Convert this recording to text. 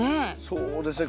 そうですね